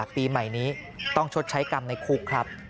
ปีใหม่นี้ต้องชดใช้กรรมในคุกครับ